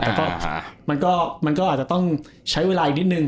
แต่ก็มันก็อาจจะต้องใช้เวลาอีกนิดนึง